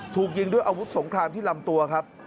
ถูกยิงด้วยอาวุธสงครามที่ลำตัวครับ